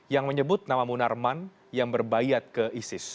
yang menyebut nama munarman yang berbayat ke isis